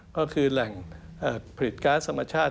ก็คือแหล่งผลิตการ์ดสมาชาติ